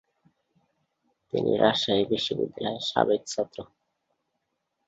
তিনি রাজশাহী বিশ্ববিদ্যালয়ের সাবেক ছাত্র।